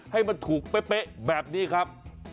ให้มันถูกเป๊ะแบบนี้ครับ